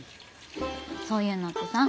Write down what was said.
そういうのってさ